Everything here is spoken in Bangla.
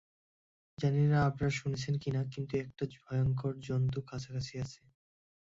জানি না আপনারা শুনেছেন কিনা, কিন্তু একটা ভয়ংকর জন্তু কাছাকাছি আছে।